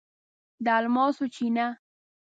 د الماسو چینه